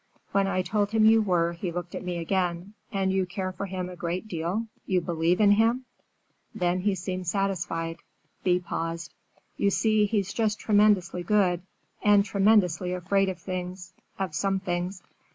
When I told him you were, he looked at me again: 'And you care for him a great deal, you believe in him?' Then he seemed satisfied." Thea paused. "You see, he's just tremendously good, and tremendously afraid of things—of some things.